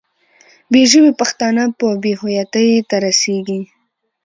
بې ژبې پښتانه به بې هویتۍ ته رسېږي.